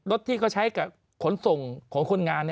รถที่เขาใช้กับขนส่งของคนงาน